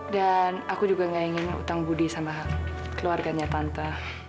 dan aku juga gak ingin utang budi sama keluarganya tante